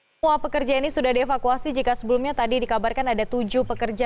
semua pekerja ini sudah dievakuasi jika sebelumnya tadi dikabarkan ada tujuh pekerja